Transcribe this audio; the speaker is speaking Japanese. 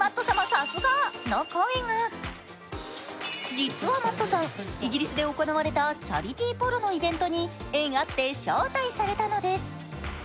実はＭａｔｔさん、イギリスで行われたチャリティーポロのイベントに縁あって招待されたのです。